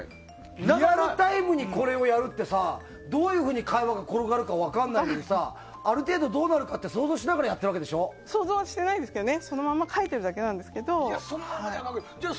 リアルタイムにこれをやるってさどういうふうに会話が転がるか分からないのにある程度どうなるかって想像はしてないですけどね。